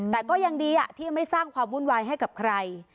แต่ก็ยังดีที่ยังไม่สร้างความวุ่นวายให้กับใคร